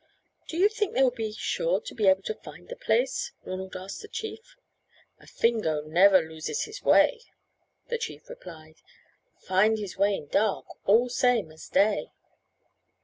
"Do you think they will be sure to be able to find the place?" Ronald asked the chief. "A Fingo never loses his way," the chief replied. "Find his way in dark, all same as day."